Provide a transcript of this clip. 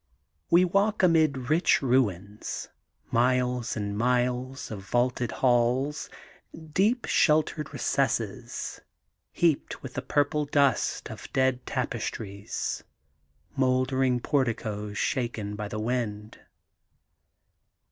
We walk amid rich ruins, miles and miles of vaulted halls, deep sheltered recesses, heaped with the purple dust of dead tapes tries, mouldering porticos shaken by the wind.